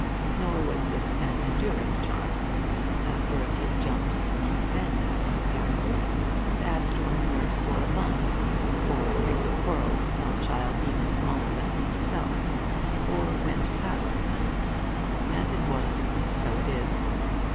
Nor was this an enduring charm. After a few jumps one abandoned one's castle and asked one's nurse for a bun, or picked a quarrel with some child even smaller than oneself, or went paddling. As it was, so it is.